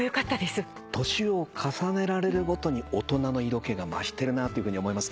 年を重ねられるごとに大人の色気が増してるなというふうに思いますね。